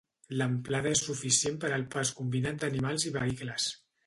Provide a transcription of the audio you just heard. L'amplada és suficient per al pas combinat d'animals i vehicles.